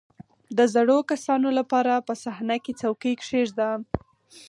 • د زړو کسانو لپاره په صحنه کې څوکۍ کښېږده.